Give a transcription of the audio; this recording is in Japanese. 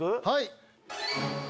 はい！